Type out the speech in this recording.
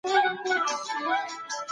نوی نسل خپل تېر تاريخ په دقت مطالعه کوي.